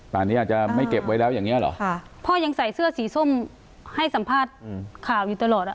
ตอนนี้อาจจะไม่เก็บไว้แล้วอย่างเงี้เหรอค่ะพ่อยังใส่เสื้อสีส้มให้สัมภาษณ์ข่าวอยู่ตลอดอ่ะ